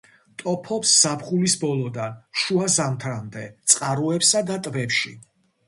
ტოფობს ზაფხულის ბოლოდან შუა ზამთრამდე წყაროებსა და ტბებში.